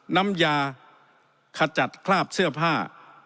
น้ำยาขจัดคราบเสื้อผ้า